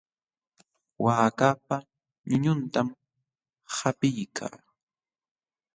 Waakapa ñuñuntam qapiykaa.